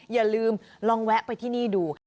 อย่าลืมลองแวะไปที่นี่ดู